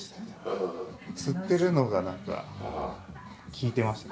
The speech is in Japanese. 吊ってるのがなんか効いてましたよ